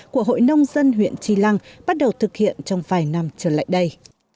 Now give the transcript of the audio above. của hội nông dân huyện tri lăng bắt đầu thực hiện trong vài năm trở lại đây